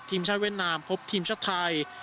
ทีมชาติเวียดนามพบทีมชาติไทย